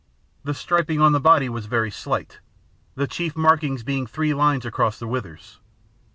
The striping on the body was very slight, the chief markings being three lines across the withers.